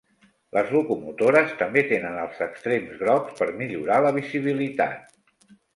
Les locomotores també tenen els extrems grocs per millorar la visibilitat.